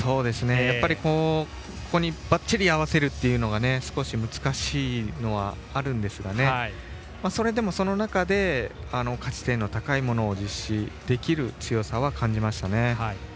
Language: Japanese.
やっぱり、ここにばっちり合わせるというのが少し難しいのはあるんですがそれでも、その中で価値点の高いものを実施できる強さは感じましたね。